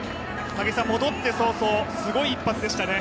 武井さん、戻って早々すごい一発でしたね。